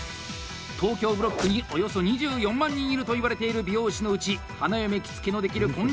東京ブロックにおよそ２４万人いるといわれている美容師のうち花嫁着付のできる婚礼